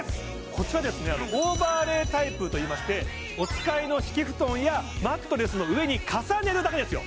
こちらオーバーレイタイプといいましてお使いの敷布団やマットレスの上に重ねるだけですよ